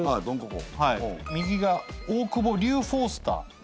はい右が大久保龍フォスター。